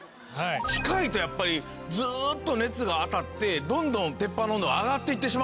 近いとやっぱりずっと熱が当たってどんどん鉄板の温度が上がっていってしまうもんね。